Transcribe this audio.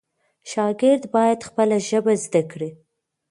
شاګرد باید خپله ژبه زده کړي.